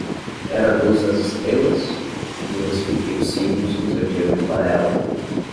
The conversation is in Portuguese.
Era a luz das estrelas? e eu expliquei os Signos do Zodíaco para ela.